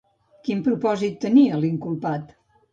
Quin propòsit tenia l'inculpat?